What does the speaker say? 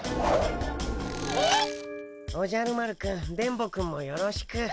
おじゃる丸くん電ボくんもよろしく。